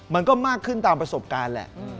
มันก็มากขึ้นตามประสบการณ์แหละ